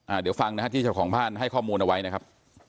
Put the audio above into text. เดี๋ยวฟังนะฮะที่เจ้าของบ้านให้ข้อมูลเอาไว้นะครับ